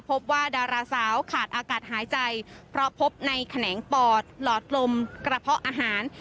พบว่าดาราสาวขาดอากาศหายใจเพราะพบในแขนงปอดหลอดลมกระเพาะอาหาร